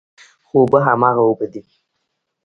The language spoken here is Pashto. خو اوبه هماغه اوبه دي.